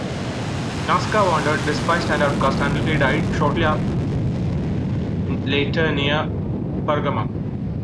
Nasica wandered, despised and outcast, until he died shortly later near Pergamum.